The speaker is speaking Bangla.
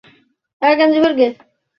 আপনারা কবে থেকে এখানে আছেন?